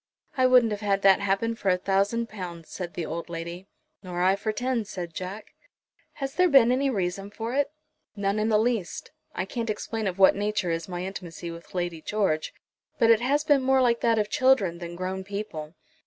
"I wouldn't have had that happen for a thousand pounds," said the old lady. "Nor I for ten," said Jack. "Has there been any reason for it?" "None in the least. I can't explain of what nature is my intimacy with Lady George, but it has been more like that of children than grown people."